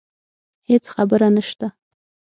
هیڅ خبره نشته